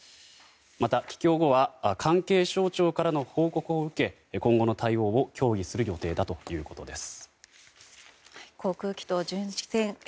また、帰京後は関係省庁からの報告を受け今後の対応を協議する予定だということです。